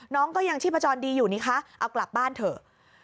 น้องก็ยังชีพจรดีอยู่นี่คะเอากลับบ้านเถอะ